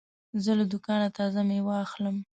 زه له دوکانه تازه مېوې اخلم.